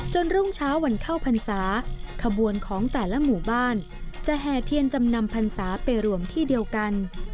รุ่งเช้าวันเข้าพรรษาขบวนของแต่ละหมู่บ้านจะแห่เทียนจำนำพันศาไปรวมที่เดียวกัน